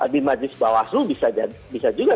di majis bawaslu bisa juga